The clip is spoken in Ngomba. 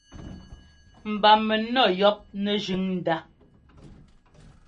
Mba mɛnɔ́ yɔ́p nɛ́jʉ̈n ndá.